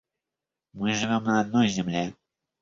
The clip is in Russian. Мы живем на одной земле.